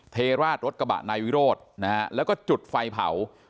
เทราดรถกระบะนายวิโรธนะฮะแล้วก็จุดไฟเผา